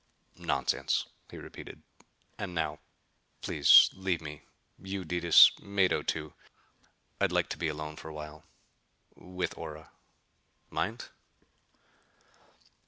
"Nonsense," he repeated. "And now, please leave me. You, Detis. Mado, too. I'd like to be alone for a while with Ora. Mind?"